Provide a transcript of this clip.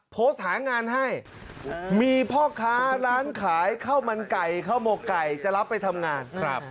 โพสต์หางานให้มีพ่อค้าร้านขายข้าวมันไก่ข้าวหมกไก่จะรับไปทำงาน